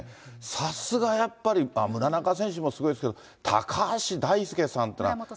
さすが、やっぱりむらなか選手もすごいですけど、高橋大輔選手っていうのは。